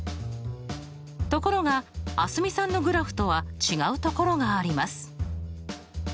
ところが蒼澄さんのグラフとは違うところがあります。